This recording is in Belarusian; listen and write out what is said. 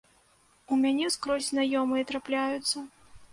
У мяне скрозь знаёмыя трапляюцца.